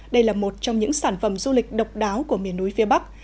đây là một trong những sản phẩm du lịch độc đáo của miền núi phía bắc